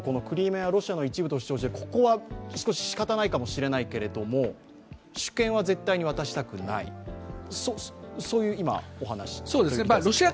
クリミア、ロシアの一部として、ここは少ししかたないかもしれないけれど主権は絶対に渡したくない、そういうお話ですか？